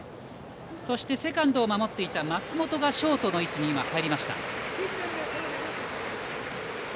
そして、セカンドを守っていた松本がショートの位置に入りました。